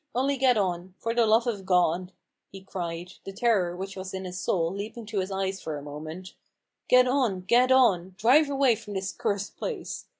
Only get on 1 For the love of God," he cried, the terror which was in his soul leaping to his eyes for a moment, " get on ! get on ! Drive away from this cursed place.